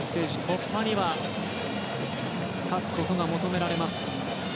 突破には勝つことが求められます。